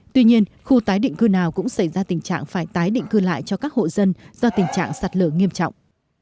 tuy nhiên khu tái định cư nào cũng xảy ra tình trạng phải tái định cư lại cho các hộ dân do tình trạng sạt lở nghiêm trọng